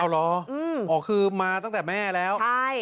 เหรออ๋อคือมาตั้งแต่แม่แล้ว